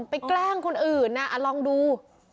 ไปแกล้งคนอื่นอ่ะอ่ะลองดู